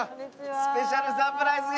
スペシャルサプライズ